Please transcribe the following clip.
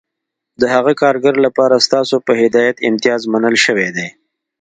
د هغه کارګر لپاره ستاسو په هدایت امتیاز منل شوی دی